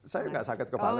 saya gak sakit kepala sih ya